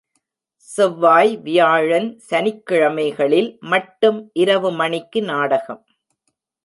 செவ்வாய், வியாழன், சனிக்கிழமைகளில் மட்டும் இரவு மணிக்கு நாடகம்.